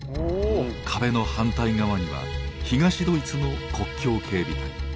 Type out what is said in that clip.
壁の反対側には東ドイツの国境警備隊。